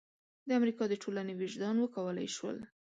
د امریکا د ټولنې وجدان وکولای شول.